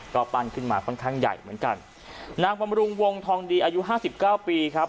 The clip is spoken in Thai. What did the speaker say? ก็ปั้นขึ้นมาค่อนข้างใหญ่เหมือนกันนางบำรุงวงทองดีอายุห้าสิบเก้าปีครับ